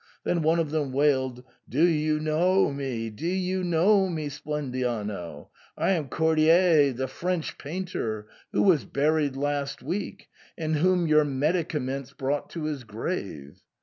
Then one of them wailed, " Do you know me ? do you know me, Splendiano ? I am Cordier, the French painter, who was buried last week, and whom your medicaments brought to his grave."